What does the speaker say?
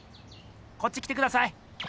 こっち来てください！